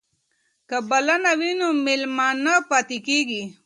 که بلنه وي نو مېلمه نه پاتې کیږي.